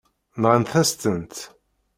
Nɣant-as-tent.